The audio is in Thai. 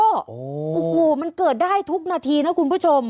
โอ้โหมันเกิดได้ทุกนาทีนะคุณผู้ชม